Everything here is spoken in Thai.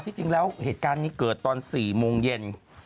จริงแล้วเหตุการณ์นี้เกิดตอน๔โมงเย็น